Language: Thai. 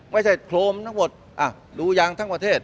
ไม่ใช่โครมทั้งหมดอะดูยังทุกประเทศ